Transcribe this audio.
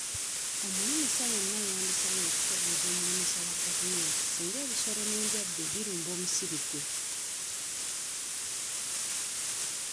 Omulimi yenna yandisaanye okutegeeza omulimisa wa gavumenti singa ebisolo n'endwadde birumba omusiri gwe.